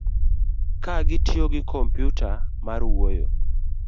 ka gitiyo gi kompyuta mar wuoyo